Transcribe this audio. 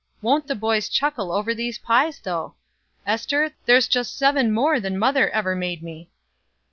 Won't the boys chuckle over these pies, though? Ester, there's just seven more than mother ever made me."